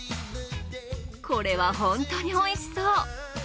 これは本当においしそう。